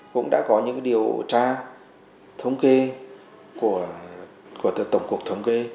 cũng đã có những điều tra thống kê của tổng cục thống kê